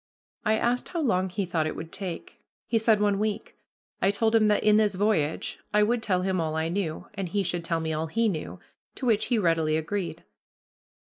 I asked how long he thought it would take. He said one week. I told him that in this voyage I would tell him all I knew, and he should tell me all he knew, to which he readily agreed.